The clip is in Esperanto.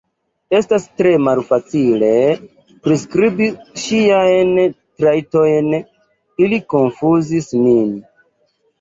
Estas tre malfacile priskribi ŝiajn trajtojn, ili konfuzis min.